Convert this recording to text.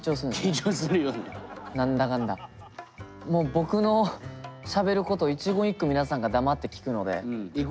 もう僕のしゃべることを一言一句皆さんが黙って聞くので。